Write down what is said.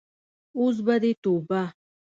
اوس به دې توبه.